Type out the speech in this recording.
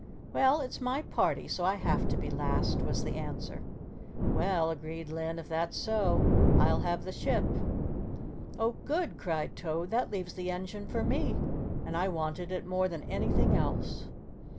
"Oh, well, it's my party, so I have to be last," was the answer. "Well," agreed Linn, "if that's so I'll have the ship." "Oh, good," cried Toad, "that leaves the engine for me and I wanted it more than anything else."